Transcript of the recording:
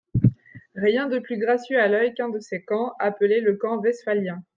Rien de plus gracieux à l'œil qu'un de ces camps, appelé le camp westphalien.